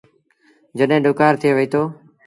جڏهيݩ ڏُڪآر ٿئي وهيٚتو۔